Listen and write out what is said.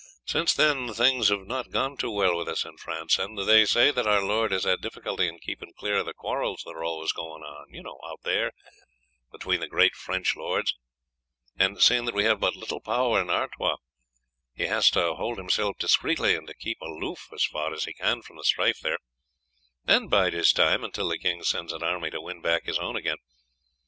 Since then things have not gone well with us in France, and they say that our lord has had difficulty in keeping clear of the quarrels that are always going on out there between the great French lords; and, seeing that we have but little power in Artois, he has to hold himself discreetly, and to keep aloof as far as he can from the strife there, and bide his time until the king sends an army to win back his own again.